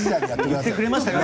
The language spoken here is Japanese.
言ってくれましたよ。